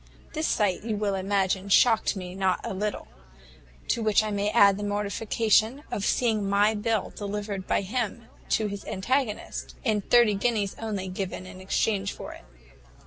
This sight, you will imagine, shocked me not a little; to which I may add the mortification of seeing my bill delivered by him to his antagonist, and thirty guineas only given in exchange for it.